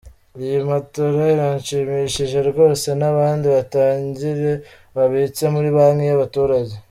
Iyi matora iranshimishije rwose n’abandi batangire babitse muri Banki y’Abaturage.